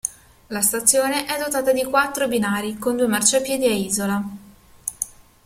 La stazione è dotata di quattro binari con due marciapiedi a isola.